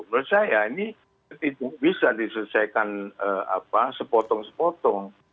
menurut saya ini tidak bisa diselesaikan sepotong sepotong